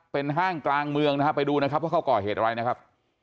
เป็นห้างกลางเมืองนะฮะไปดูนะครับว่าเขาก่อเหตุอะไรนะครับ